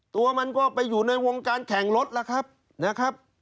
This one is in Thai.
ตัวมันก็ไปอยู่ในวงการแข่งรถล่ะครับ